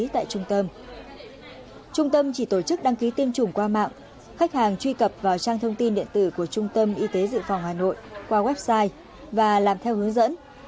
trung tâm chỉ tổ chức đăng ký tiêm chủng qua mạng khách hàng truy cập vào trang thông tin điện tử của trung tâm y tế dự phòng hà nội qua website và làm theo hướng dẫn